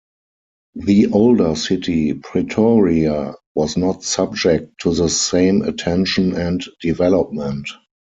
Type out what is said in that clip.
The older city Pretoria was not subject to the same attention and development.